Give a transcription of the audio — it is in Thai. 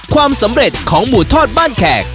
ความสำเร็จของหมูทอดบ้านแขก